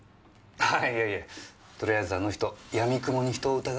あーいやいやとりあえずあの人やみくもに人を疑うんで。